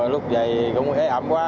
lúc dày cũng ế ẩm quá